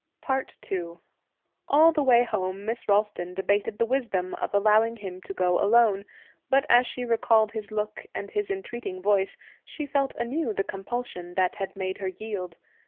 II All the way home Miss Ralston debated the wisdom of allowing him to go alone, but as she recalled his look and his entreating voice, she felt anew the compulsion that had made her yield.